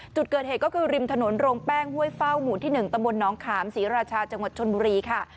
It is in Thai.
จุดเกิดเหตุก็คือริมถนนโรงแป้งห้วยเฝ้าหมู่ที่๑ตำบลน้องขามศรีราชาจังหวัดชนบุรีค่ะ